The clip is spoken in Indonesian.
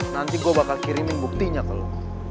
nanti gue bakal kirimin buktinya ke lo